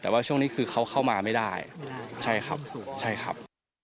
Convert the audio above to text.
แต่ว่าช่วงนี้คือเขาเข้ามาไม่ได้ใช่ครับใช่ครับ